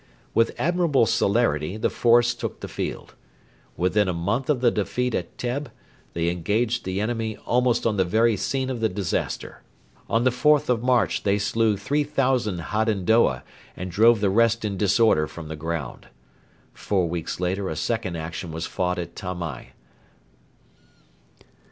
With admirable celerity the force took the field. Within a month of the defeat at Teb they engaged the enemy almost on the very scene of the disaster. On the 4th of March they slew 3,000 Hadendoa and drove the rest in disorder from the ground. Four weeks later a second action was fought at Tamai.